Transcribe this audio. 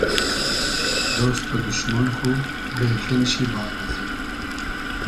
دۉست و دوشمۉن خو بینیخشی باد ازی